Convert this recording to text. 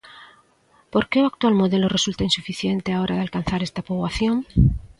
Por que o actual modelo resulta insuficiente á hora de alcanzar esta poboación?